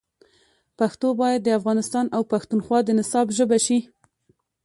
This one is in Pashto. پښتو باید د افغانستان او پښتونخوا د نصاب ژبه شي.